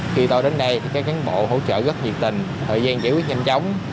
khi tôi đến đây thì các cán bộ hỗ trợ rất nhiệt tình thời gian giải quyết nhanh chóng